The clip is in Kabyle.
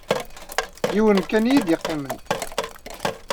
Yiwen kan i yi-d-yeqqimen.